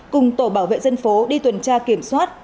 cùng tổ bảo vệ dân phố đi tuần tra kiểm soát